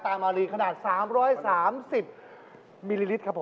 มารีขนาด๓๓๐มิลลิลิตรครับผม